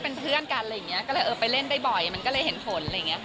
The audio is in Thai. ผมบอกกันอย่างงี้ว่าจะไปเล่นได้บ่อยมันก็เลยเห็นผล